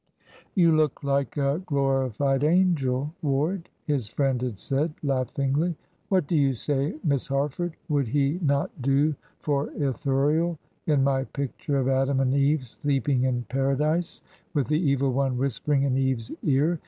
"You look like a glorified angel, Ward," his friend had said, laughingly. "What do you say, Miss Harford would he not do for Ithuriel in my picture of Adam and Eve sleeping in Paradise, with the Evil One whispering in Eve's ear.